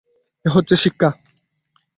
এ হচ্ছে শিক্ষা।